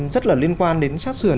rất là liên quan đến sát sườn